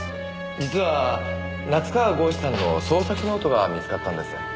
実は夏河郷士さんの創作ノートが見つかったんです。